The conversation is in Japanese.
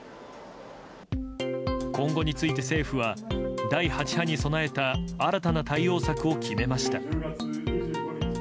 今後について政府は、第８波に備えた新たな対応策を決めました。